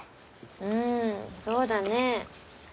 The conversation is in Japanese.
うんそうだね。